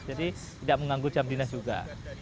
jadi tidak menganggur jam dinas juga